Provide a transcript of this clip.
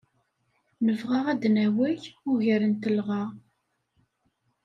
Nebɣa ad d-nawey ugar n telɣa.